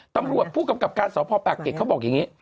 ตำรวจผู้กำกับการสอบภาพปรากฏเขาบอกอย่างนี้